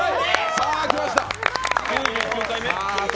さあ、きました。